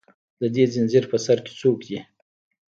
د دې زنځیر په سر کې څوک دي